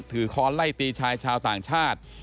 ค้อนไล่ตีชายชาวต่างชาติ